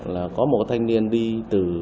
là có một thanh niên đi từ